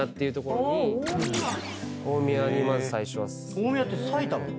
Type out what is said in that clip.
大宮って埼玉の？